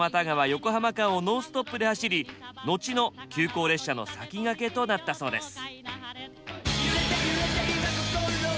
横浜間をノンストップで走り後の急行列車の先駆けとなったそうです。